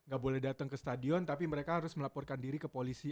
gak boleh datang ke stadion tapi mereka harus melaporkan diri ke polisi